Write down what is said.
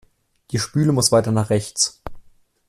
Die Spüle muss weiter nach rechts.